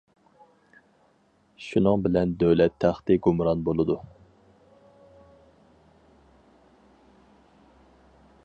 شۇنىڭ بىلەن دۆلەت تەختى گۇمران بولىدۇ.